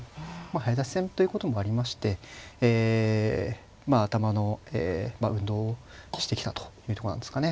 早指し戦ということもありましてえ頭の運動をしてきたというとこなんですかね。